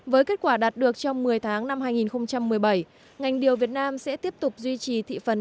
với kết quả đạt được trong một mươi tháng năm hai nghìn một mươi bảy ngành điều việt nam sẽ tiếp tục duy trì thị phần